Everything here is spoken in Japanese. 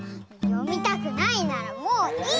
読みたくないならもういいよ！